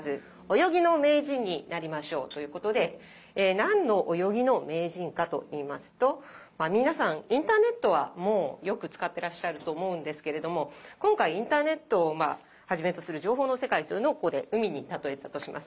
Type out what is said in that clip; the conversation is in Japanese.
「泳ぎの名人になりましょう！」ということで何の泳ぎの名人かといいますと皆さんインターネットはもうよく使ってらっしゃると思うんですけれども今回インターネットをはじめとする情報の世界というのをここで海に例えたとします。